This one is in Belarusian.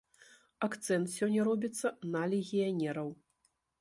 Акцэнт сёння робіцца на легіянераў.